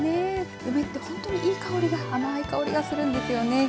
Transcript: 梅って本当にいい香りで甘い香りがするんですよね。